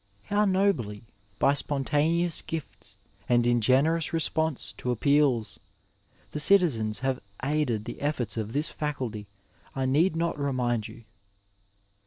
How nobly, by spontaneous gifts and in generous response to appeals, the citizens have aided the efforts of this faculty I need not remind you.